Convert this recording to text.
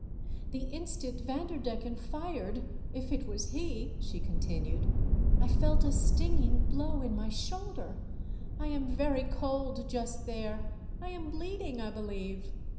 "The instant Vanderdecken fired — if it was he —" she continued, " I felt a stinging blow in my shoulder. I am very cold just there ; I am bleeding, I believe."